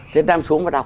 thế đem xuống và đọc